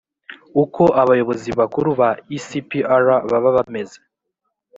uko abayobozi bakuru ba ecpr baba bameze